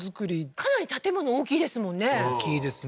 かなり建物大きいですもんね大きいですね